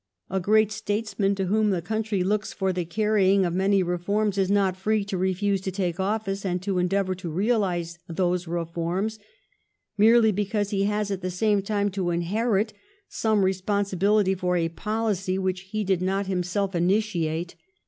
A great statesman, to whom the coun try looks for the carrying of many reforms, is not free to refuse to take office and to endeavor to realize those reforms merely because he has at the same time to inherit some responsibility for a policy which he did not himself initiate.